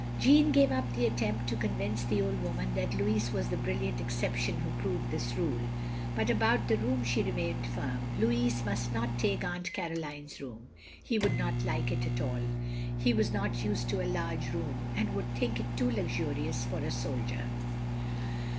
Jeanne gave up the attempt to convince the old woman that Louis was the brilliant exception who proved this rule. But about the room she remained firm. Louis must not take Aunt Caroline's room. He wotild not like it at all. He was not used to a large room, and would think it too luxurious for a soldier.